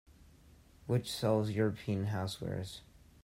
Which sells European housewares.